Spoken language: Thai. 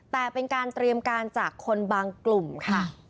แต่เป็นการเตรียมการจากคนบางกลุ่มค่ะ